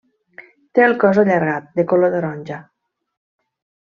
Té el cos allargat, de color taronja.